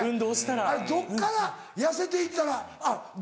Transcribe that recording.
あれどっから痩せて行ったらあっ。